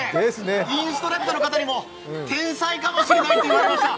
インストラクターの方にも天才かもしれないと言われました。